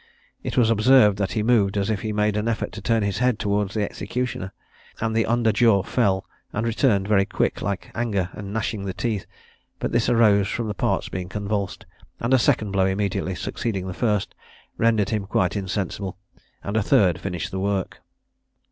It was observed that he moved as if he made an effort to turn his head towards the executioner, and the under jaw fell, and returned very quick, like anger and gnashing the teeth; but this arose from the parts being convulsed, and a second blow immediately succeeding the first, rendered him quite insensible and a third finished the work.